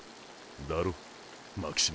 だろ巻島。